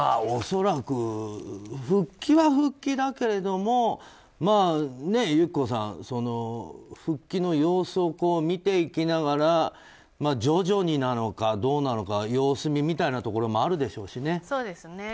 恐らく、復帰は復帰だけれども友紀子さん復帰の様子を見ていきながら徐々になのかどうなのか様子見みたいなところもあるでしょうしね。